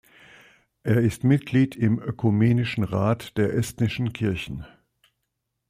Er ist Mitglied im "Ökumenischen Rat der estnischen Kirchen".